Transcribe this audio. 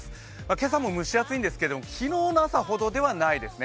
今朝も蒸し暑いんですけど昨日の朝ほどではないんですね。